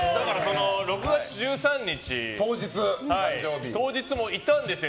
６月１３日当日もいたんですよ